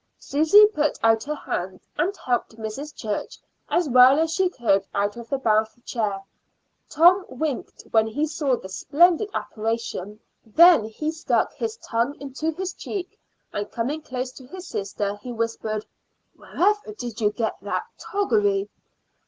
Susy put out her hand and helped Mrs. Church as well as she could out of the bath chair. Tom winked when he saw the splendid apparition; then he stuck his tongue into his cheek, and coming close to his sister, he whispered: "Wherever did you get that toggery?"